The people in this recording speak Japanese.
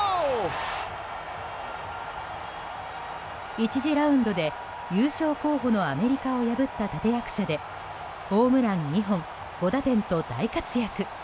１次ラウンドで優勝候補のアメリカを破った立役者でホームラン２本５打点と大活躍。